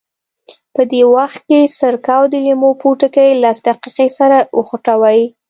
په دې وخت کې سرکه او د لیمو پوټکي لس دقیقې سره وخوټوئ.